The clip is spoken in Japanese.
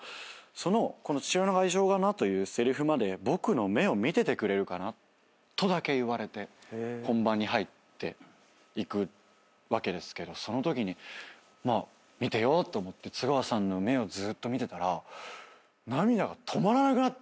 「その『父親の愛情がな』というせりふまで」とだけ言われて本番に入っていくわけですけどそのときにまあ見てようと思って津川さんの目をずーっと見てたら。